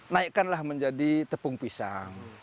naikkanlah menjadi tepung pisang